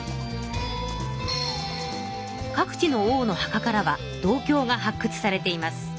各地の王の墓からは銅鏡が発くつされています。